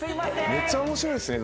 めっちゃ面白いですね。